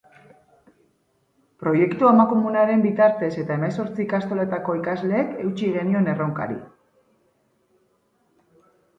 Proiektu amankomunaren bitartez eta hemezortzi ikastolatako ikasleek eutsi genion erronkari.